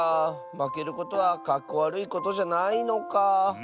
まけることはかっこわるいことじゃないのか。